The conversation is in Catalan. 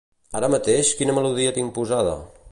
Ara mateix quina melodia tinc posada?